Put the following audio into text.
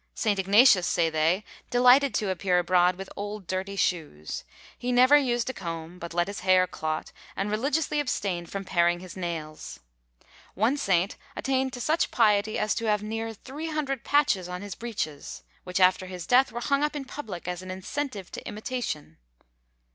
St. Ignatius, say they, delighted to appear abroad with old dirty shoes; he never used a comb, but let his hair clot; and religiously abstained from paring his nails. One saint attained to such piety as to have near three hundred patches on his breeches; which, after his death, were hung up in public as an incentive to imitation.